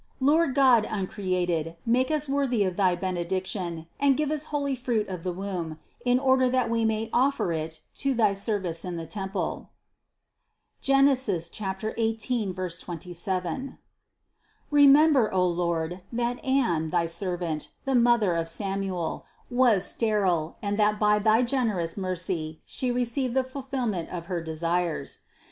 Lord God uncreated, make us worthy of thy benediction, and give us holy fruit of the womb, in 150 CITY OF GOD order that we may offer it to thy service in the temple (Gen. 18, 27). Remember, O Lord, that Anne, thy ser vant, the mother of Samuel, was sterile and that by thy generous mercy she received the fulfillment of her de sires.